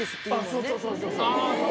そうそうそうそう。